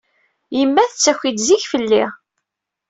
Yemma tettaki-d zik fell-i.